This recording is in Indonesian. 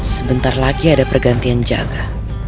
sebentar lagi ada pergantian jaga